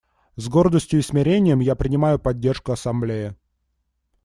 С гордостью и смирением я принимаю поддержку Ассамблеи.